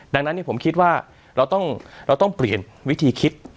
ดังนั้นเนี้ยผมคิดว่าเราต้องเราต้องเปลี่ยนวิธีคิดครับ